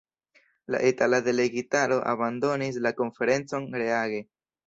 La itala delegitaro abandonis la konferencon reage.